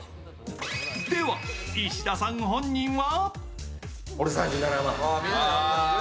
では石田さん本人は？